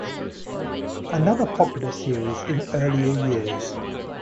Another popular series in earlier years.